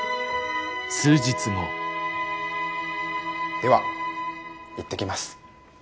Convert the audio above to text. では行ってきます。